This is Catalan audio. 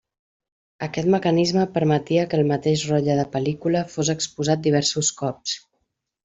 Aquest mecanisme permetia que el mateix rotlle de pel·lícula fos exposat diversos cops.